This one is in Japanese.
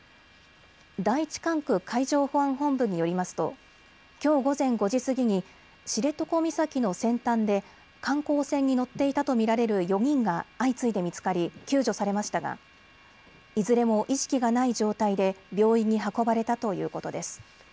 第１管区海上保安本部によりますときょう午前５時過ぎに知床岬の先端で観光船に乗っていたと見られる４人が相次いで見つかり救助されましたがいずれも意識がない状態で病院に運ばれたということです。